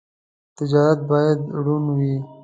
تجارت باید روڼ وي.